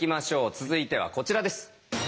続いてはこちらです。